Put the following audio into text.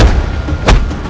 kau tidak tahu